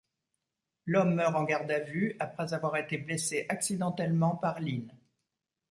L'homme meurt en garde à vue, après avoir été blessé accidentellement par Lin.